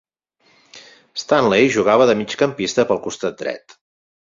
Stanley jugava de migcampista pel costat dret.